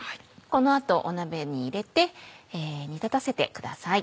この後鍋に入れて煮立たせてください。